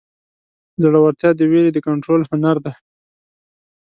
زړهورتیا د وېرې د کنټرول هنر دی.